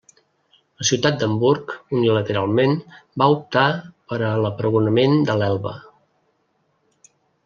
La ciutat d'Hamburg, unilateralment, va optar per a l'apregonament de l'Elba.